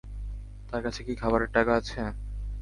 তার কাছে কি খাবারের টাকা আছে?